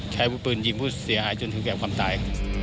วุธปืนยิงผู้เสียหายจนถึงแก่ความตาย